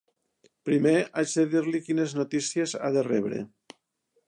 Primer, haig de dir-li quines notícies ha de rebre.